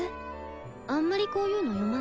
あんまりこういうの読まない？